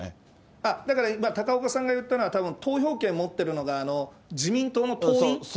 あっ、だから、高岡さんが言ったのは、たぶん、投票権持ってるのが、自民党の党員。